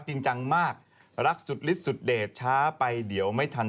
ปิดเบคไม่ได้ไม่ได้ไม่ได้